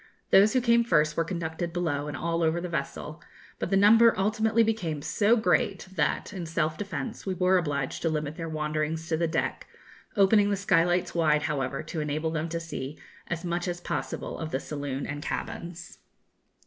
Those who came first were conducted below and all over the vessel, but the number ultimately became so great that, in self defence, we were obliged to limit their wanderings to the deck, opening the skylights wide, however, to enable them to see as much as possible of the saloon and cabins.